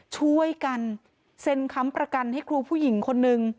ช่วยกันเซ็นค้ำประกันให้ครูผู้หญิงคนนึง